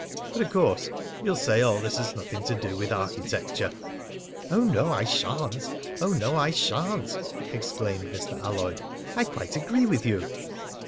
... But of course you'll say all this has nothing to do with architecture!" "Oh, no, I sha'n't! Oh, no, I sha'n't!" exclaimed Mr. Alloyd. "I quite agree with you!"